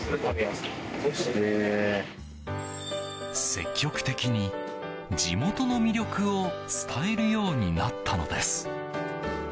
積極的に地元の魅力を伝えるようになったのです。